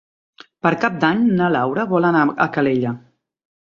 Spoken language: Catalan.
Per Cap d'Any na Laura vol anar a Calella.